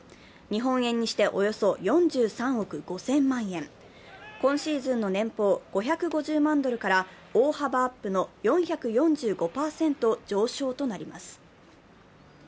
日本円にして、およそ４３億５０００万円今シーズンの年俸５５０万ドルから大幅アップの４４５％上昇となります